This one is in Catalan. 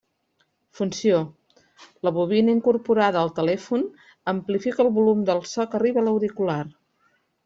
Funció: la bobina incorporada al telèfon amplifica el volum del so que arriba a l'auricular.